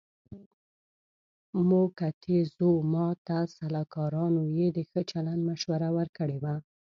موکتیزوما ته سلاکارانو یې د ښه چلند مشوره ورکړې وه.